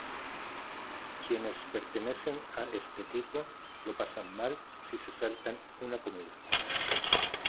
Quienes pertenecen a este tipo lo pasan mal si se saltan una comida.